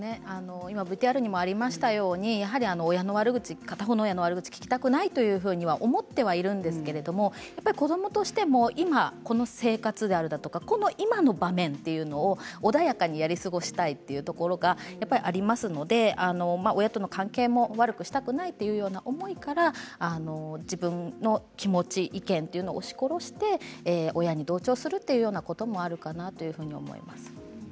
今、ＶＴＲにもありましたように片方の親の悪口を聞きたくないと思っているんですけれども子どもとしても、今この生活だとか今のこの場面というのを穏やかにやり過ごしたいっていうところがやっぱりありますので親との関係をもっと悪くしたくないっていう思いから自分の気持ち、意見というのを押し殺して親に同調するというようなこともあるかなというふうに思います。